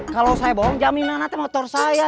kalau saya bohong jaminan nanti motor saya